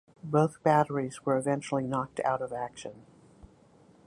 Both batteries were eventually knocked out of action.